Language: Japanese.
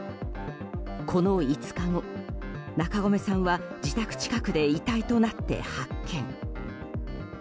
この５日後、中込さんは自宅近くで遺体となって発見。